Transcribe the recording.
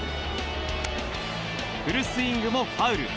フルスイングもファウル。